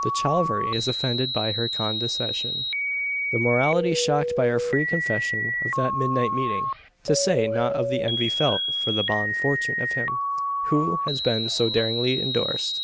The "chivalry" is offended by her condescension; the morality shocked by her free confession of that midnight meeting; to say nought of the envy felt for the bonne fortune of him who has been so daringly endorsed.